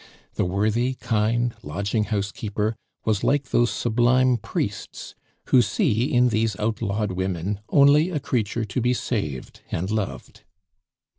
The worthy, kind lodging house keeper was like those sublime priests who see in these outlawed women only a creature to be saved and loved.